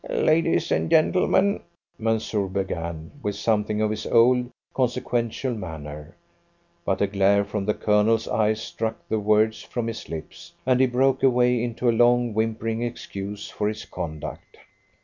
"Ladies and gentlemen," Mansoor began, with something of his old consequential manner; but a glare from the Colonel's eyes struck the words from his lips, and he broke away into a long, whimpering excuse for his conduct.